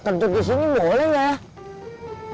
kentut di sini boleh nggak